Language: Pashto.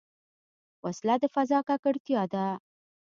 وسله د فضا ککړتیا ده